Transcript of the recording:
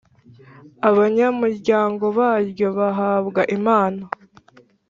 abanyamuryango baryo bahabwa impano